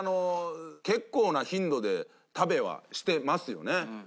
結構な頻度で食べはしてますよね。